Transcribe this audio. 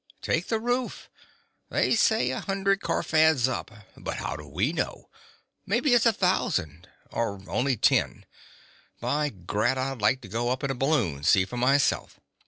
Take the roof. They say a hundred kharfads up; but how do we know? Maybe it's a thousand or only ten. By Grat, I'd like to go up in a balloon, see for myself."